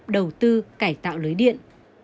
đầu tư cải tạo lưới điện